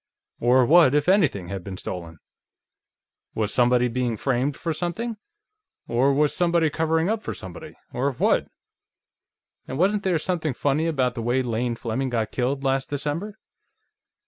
Or what, if anything, had been stolen? Was somebody being framed for something ... or was somebody covering up for somebody ... or what? And wasn't there something funny about the way Lane Fleming got killed, last December?